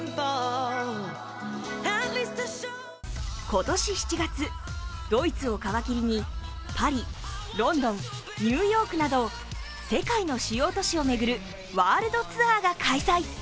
今年７月、ドイツを皮切りにパリ、ロンドン、ニューヨークなど世界の主要都市を巡るワールドツアーが開催。